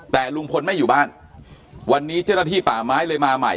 แต่ลุงพลไม่อยู่บ้านวันนี้เจ้าหน้าที่ป่าไม้เลยมาใหม่